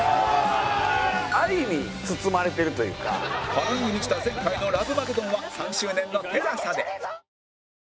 波乱に満ちた前回のラブマゲドンは３周年の ＴＥＬＡＳＡ で